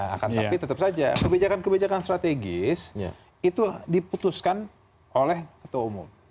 akan tapi tetap saja kebijakan kebijakan strategis itu diputuskan oleh ketua umum